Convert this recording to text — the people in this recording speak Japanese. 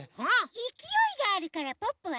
いきおいがあるからポッポはすき。